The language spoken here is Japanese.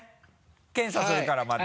検査するからまた。